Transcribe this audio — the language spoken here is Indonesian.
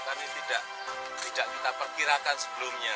tapi tidak kita perkirakan sebelumnya